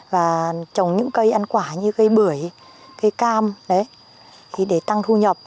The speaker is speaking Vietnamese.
và trồng những cây ăn quả như cây bưởi cây cam để tăng thu nhập